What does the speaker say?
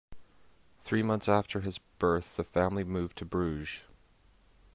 Three months after his birth, the family moved to Bruges.